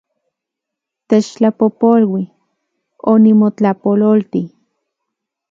Techtlapojpolui, onimotlapololti